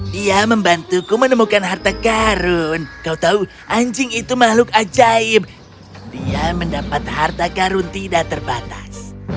dia membantuku menemukan harta karun kau tahu anjing itu makhluk ajaib dia mendapat harta karun tidak terbatas